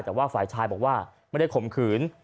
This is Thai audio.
แต่ว่าฝ่ายชายบอกว่าไม่ได้ข่มขืน